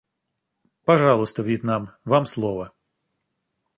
Пожалуйста, Вьетнам, вам слово.